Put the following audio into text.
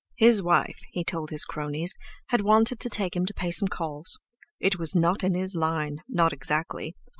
His wife, he told his cronies, had wanted to take him to pay some calls. It was not in his line—not exactly.